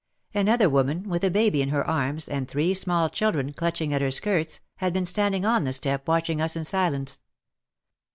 Another woman, with a baby in her arms and three small children clutching at her skirts, had been standing on the stoep watching us in silence.